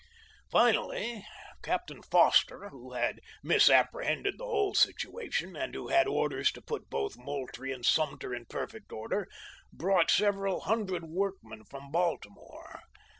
Finally, Captain Foster, who had misapprehended the whole situation, and who had orders to put both Moultrie and Sumter in perfect order, brought sever al hundred workmen from Bal timore.